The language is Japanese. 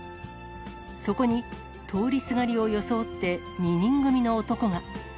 そこに、通りすがりを装って、２人組の男が。